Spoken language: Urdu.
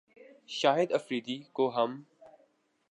شاہد فریدی کو ہم